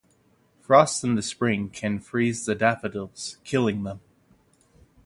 Frost in spring can freeze the daffodils, killing them.